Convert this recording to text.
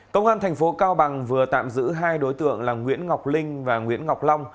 công an tp cao bằng vừa tạm giữ hai đối tượng là nguyễn ngọc linh và nguyễn ngọc long